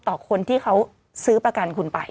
ต่อคนที่เขาซื้อประกันคุณไป